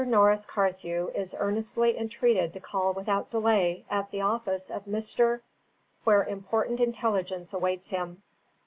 Norris Carthew is earnestly entreated to call without delay at the office of Mr. , where important intelligence awaits him."